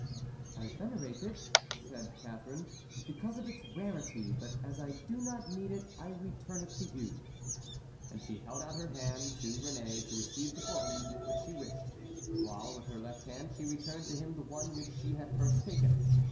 "I venerate it," said Catharine, "because of its rarity, but as I do not need it, I return it to you." And she held out her right hand to Réné to receive the book which she wished, while with her left hand she returned to him the one which she had first taken.